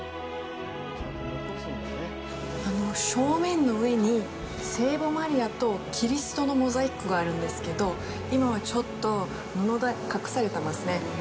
正面の上に、聖母マリアとキリストのモザイク画があるんですけど、今はちょっと布で隠されてますね。